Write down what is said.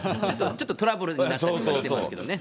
ちょっとトラブルになったりとかしてますけどね。